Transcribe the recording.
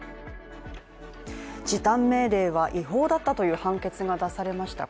時短命令は違法だったという判決が出されました